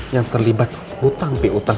yang terlibat utang pihutang